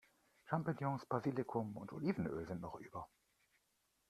Champignons, Basilikum und Olivenöl sind noch über.